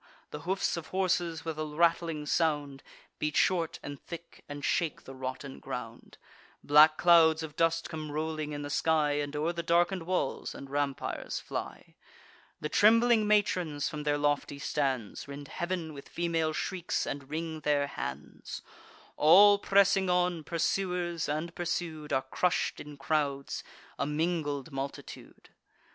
The hoofs of horses, with a rattling sound, Beat short and thick, and shake the rotten ground. Black clouds of dust come rolling in the sky, And o'er the darken'd walls and rampires fly. The trembling matrons, from their lofty stands, Rend heav'n with female shrieks, and wring their hands. All pressing on, pursuers and pursued, Are crush'd in crowds, a mingled multitude.